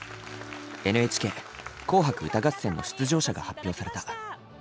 「ＮＨＫ紅白歌合戦」の出場者が発表された。